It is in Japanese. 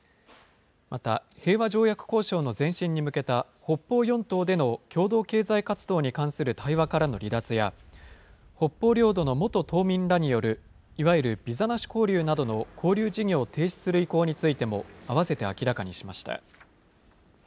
また平和条約交渉の前進に向けた、北方四島での共同経済活動に関する対話からの離脱や、北方領土の元島民らによるいわゆるビザなし交流などの交流事業を停止する意向についても併せて明らかにしました。